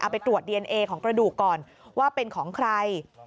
ไปตรวจดีเอนเอของกระดูกก่อนว่าเป็นของใคร